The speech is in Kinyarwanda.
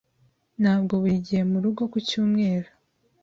Ntabwo buri gihe murugo ku cyumweru.